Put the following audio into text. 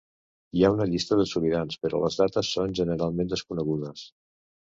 Hi ha una llista de sobirans però les dates són generalment desconegudes.